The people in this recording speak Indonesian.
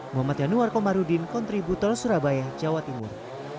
muhammad yanuar komarudin kontributor surabaya jawa timur